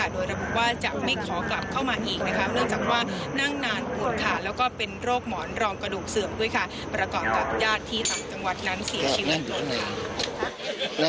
โดยรับบุญว่าจะไม่ขอกลับเข้ามาอีกเนื่องจากนั่งนานกลุ่มขาดและเป็นโรคหมอนรองกระดูกเสื่อมปรากฎกับญาติที่ทางจังหวัดนั้นเสียชีวิต